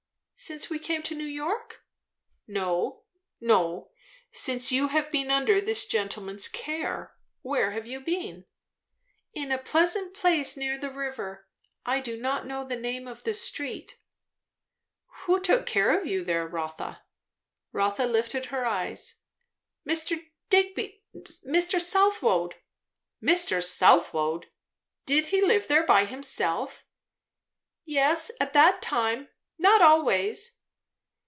"Since we came to New York?" "No, no; since you have been under this gentleman's care? Where have you been?" "In a pleasant place near the river. I do not know the name of the street." "Who took care of you there, Rotha?" Rotha lifted her eyes. "Mr. Digby Mr. Southwode." "Mr. Southwode! Did he live there himself?" "Yes, at that time; not always."